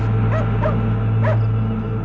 aku mau ke rumah